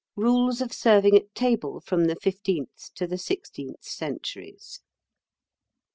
Rules of Serving at Table from the Fifteenth to the Sixteenth Centuries.